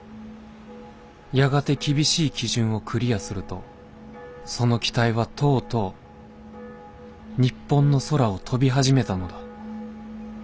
やがて厳しい基準をクリアするとその機体はとうとう日本の空を飛び始めたのだ。